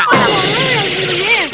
oh itu yang terbening